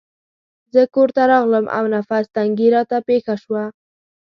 زه کورته راغلم او نفس تنګي راته پېښه شوه.